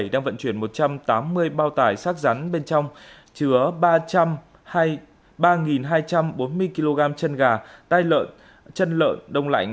đang vận chuyển một trăm tám mươi bao tải sát rắn bên trong chứa ba hai trăm bốn mươi kg chân gà chân lợn đông lạnh